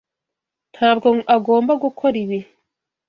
Ntabwo agomba gukora ibi.